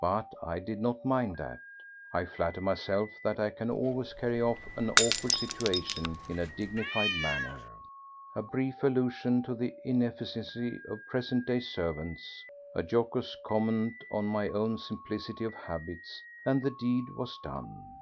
But I did not mind that. I flatter myself that I can always carry off an awkward situation in a dignified manner. A brief allusion to the inefficiency of present day servants, a jocose comment on my own simplicity of habits, and the deed was done.